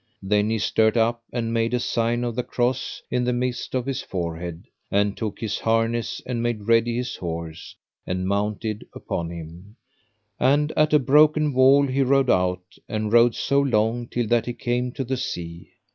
Then he stert up and made a sign of the cross in the midst of his forehead, and took his harness, and made ready his horse, and mounted upon him; and at a broken wall he rode out, and rode so long till that he came to the sea.